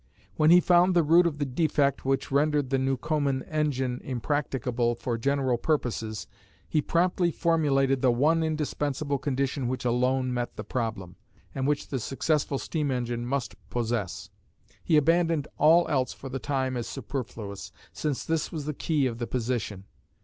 When he found the root of the defect which rendered the Newcomen engine impracticable for general purposes, he promptly formulated the one indispensable condition which alone met the problem, and which the successful steam engine must possess. He abandoned all else for the time as superfluous, since this was the key of the position.